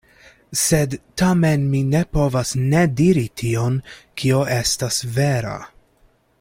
Sed tamen mi ne povas ne diri tion, kio estas vera.